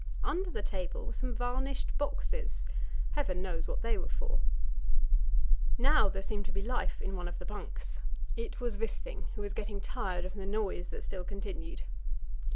Under the table were some varnished boxes Heaven knows what they were for! Now there seemed to be life in one of the bunks. It was Wisting, who was getting tired of the noise that still continued.